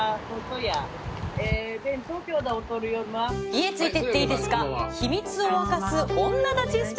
『家、ついて行ってイイですか？』。